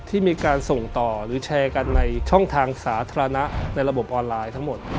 ที่มีการส่งต่อหรือแชร์กันในช่องทางสาธารณะในระบบออนไลน์ทั้งหมด